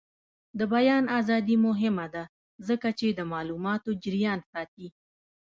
د بیان ازادي مهمه ده ځکه چې د معلوماتو جریان ساتي.